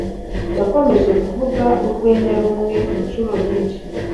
yakomeje kuvuga urwenya rumwe inshuro nyinshi